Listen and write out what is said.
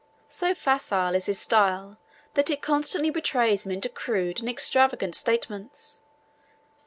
So facile is his style that it constantly betrays him into crude and extravagant statements.